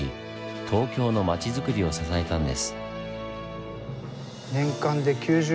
東京のまちづくりを支えたんです。